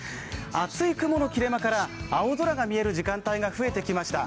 厚い雲の切れ間から青空が見える時間帯が増えてきました。